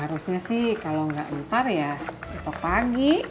harusnya sih kalo gak ntar ya besok pagi